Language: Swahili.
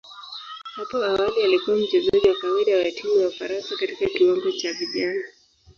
Hapo awali alikuwa mchezaji wa kawaida wa timu ya Ufaransa katika kiwango cha vijana.